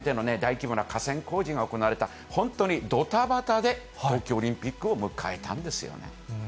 国を挙げての大規模な河川工事が行われた、本当にどたばたで東京オリンピックを迎えたんですよね。